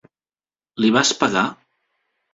Li vas pegar?